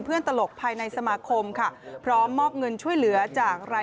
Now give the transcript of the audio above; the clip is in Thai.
เพื่อเป็นทุนช่วยเหลือค่ารักษา